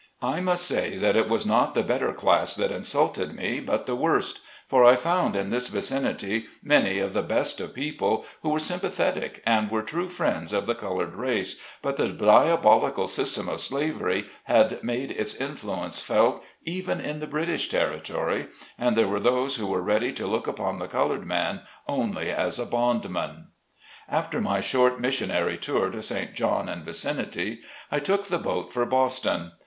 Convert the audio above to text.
I must say, that it was not the better class that insulted me, but the worst, for I found in this vicin CHURCH WORK. 45 ity many of the best of people, who were sympa thetic, and were true friends of the colored race, but the diabolical system of slavery had made its influ ence felt even in the British territory, and there were those who were ready to look upon the col ored man only as a bondman. After my short missionary tour to St. John and vicinity, I took the boat for Boston.